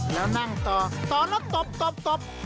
แล้วนั่งต่อต่อแล้วตบตบ